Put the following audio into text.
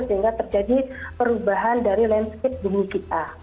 sehingga terjadi perubahan dari landscape bumi kita